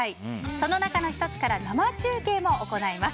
その中の１つから生中継も行います。